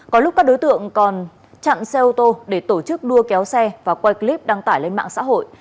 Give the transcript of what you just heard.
có lúc các đối tượng còn chặn xe ô tô để tổ chức đua kéo xe và quay clip đăng tải lên mạng xã hội